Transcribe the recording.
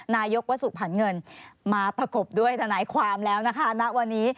นายกวสุผันเงินมาประกบด้วยทนายความแล้วนะคะณวันนี้